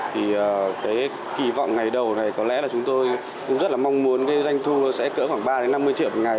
thì cái kỳ vọng ngày đầu này có lẽ là chúng tôi cũng rất là mong muốn cái doanh thu sẽ cỡ khoảng ba đến năm mươi triệu một ngày